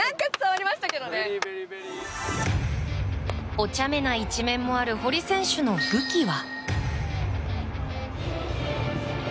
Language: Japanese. お茶目な一面もある堀選手の武器は。